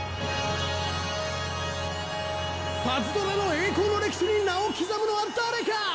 パズドラの栄光の歴史に名を刻むのは誰か！？